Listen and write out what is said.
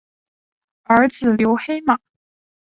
儿子刘黑马。